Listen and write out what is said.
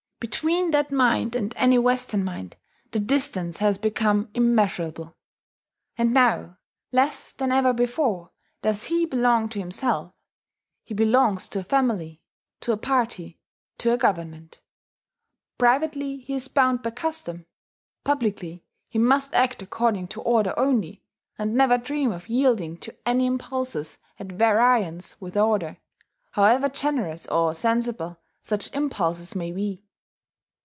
Between that mind and any Western mind the distance has become immeasurable. And now, less than ever before, does he belong to himself. He belongs to a family, to a party, to a government: privately he is bound by custom; publicly he must act according to order only, and never dream of yielding to any impulses at variance with order, however generous or sensible such impulses may be.